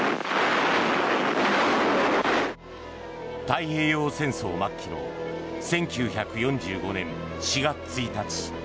太平洋戦争末期の１９４５年４月１日。